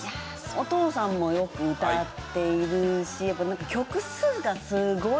お父さんもよく歌っているしやっぱ曲数がすごい。